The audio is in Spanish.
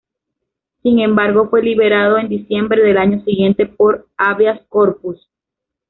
Sin embargo, fue liberado en diciembre del año siguiente por hábeas corpus.